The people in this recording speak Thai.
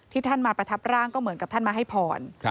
ท่านมาประทับร่างก็เหมือนกับท่านมาให้พร